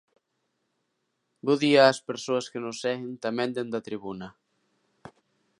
Bo día ás persoas que nos seguen tamén dende a tribuna.